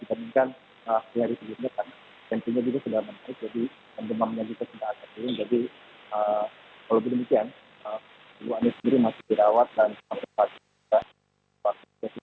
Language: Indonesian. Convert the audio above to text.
jadi memang baik jika bukan sehari hari ke depan tentunya juga sudah menaik jadi demamnya juga sudah akan turun